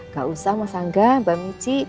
gak usah mas angga mbak mici